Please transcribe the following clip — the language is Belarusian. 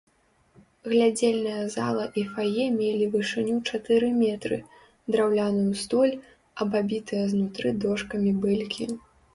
Глядзельная зала і фае мелі вышыню чатыры метры, драўляную столь, абабітыя знутры дошкамі бэлькі.